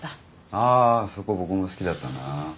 あそこ僕も好きだったな。